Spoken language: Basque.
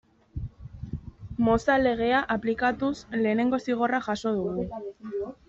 Mozal Legea aplikatuz lehen zigorra jaso dugu.